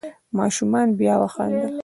ماشوم بیا وخندل.